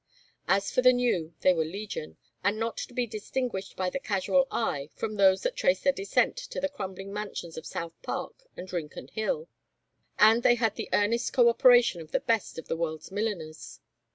As for the new, they were legion, and not to be distinguished by the casual eye from those that traced their descent to the crumbling mansions of South Park and Rincon Hill; and they had the earnest co operation of the best of the world's milliners.